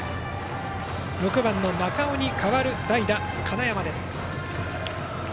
６番の中尾に代わる代打、金山です。